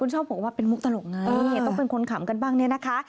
ชอบบอกว่าเป็นมุกตลกไงต้องเป็นคนขำกันบ้างเนี่ยนะคะ